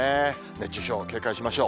熱中症、警戒しましょう。